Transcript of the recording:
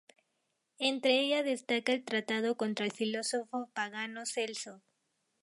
Entre ellas destaca el tratado contra el filósofo pagano Celso.